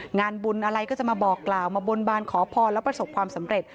งานบุญอะไรก็จะมาบอกกล่าวมาบนบานขอพรแล้วประสบความสำเร็จ